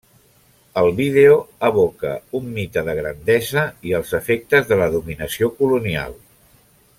El vídeo evoca un mite de grandesa i els efectes de la dominació colonial.